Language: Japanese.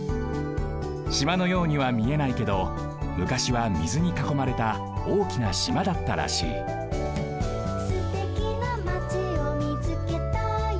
島のようにはみえないけどむかしはみずにかこまれたおおきな島だったらしい「すてきなまちをみつけたよ」